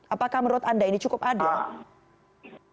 apakah menurut anda ini cukup adil